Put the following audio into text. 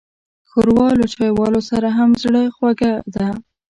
ښوروا له چايوالو سره هم زړهخوږې ده.